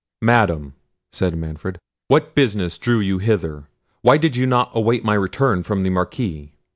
"Madam," said Manfred, "what business drew you hither? why did you not await my return from the Marquis?"